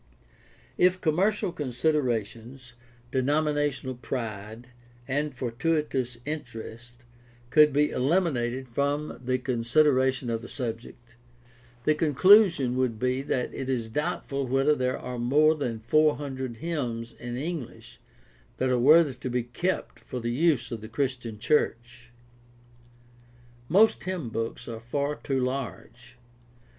If com mercial considerations, denominational pride, and fortuitous interest could be eliminated from the consideration of the subject, the conclusion would be that it is doubtful whether there are more than four hundred hymns in English that are worthy to be kept for the use of the Christian church. Most hymnbooks are far too large.